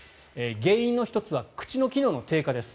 原因の１つは口の機能の低下です。